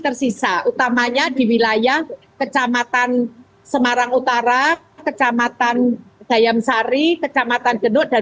tersisa utamanya di wilayah kecamatan semarang utara kecamatan dayam sari kecamatan genuk dan